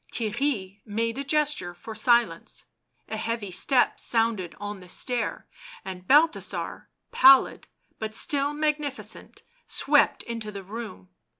Theirry made a gesture for silence ; a heavy step sounded on the stair, and Balthasar, pallid but still magnificent, swept into the room.